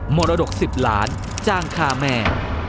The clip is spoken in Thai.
มรดก๑๐ล้านจ้างฆ่าแม่